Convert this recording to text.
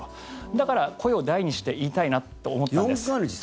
だから、声を大にして言いたいなと思ったんです。